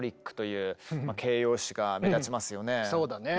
そうだね。